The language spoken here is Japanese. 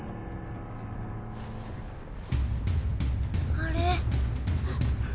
あれ。